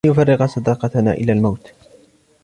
لن يفرق صداقتنا إلا الموت